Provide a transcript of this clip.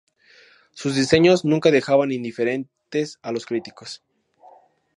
Sus diseños nunca dejaban indiferentes a los críticos.